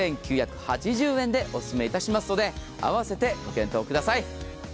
６９８０円でおすすめ致しますので併せてご検討ください。